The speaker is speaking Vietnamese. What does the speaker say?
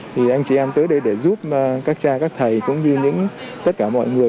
thì anh chị em tới đây để giúp các cha các thầy cũng như tất cả mọi người